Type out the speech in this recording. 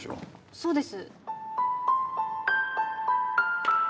そうです。